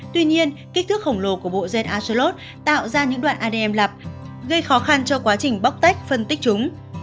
tuy nhiên kích thước khổng lồ của bộ gen asollot tạo ra những đoạn adm lạp gây khó khăn cho quá trình bóc tách phân tích chúng